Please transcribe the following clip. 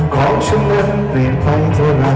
ความฉันนั้นไม่ไปที่ไร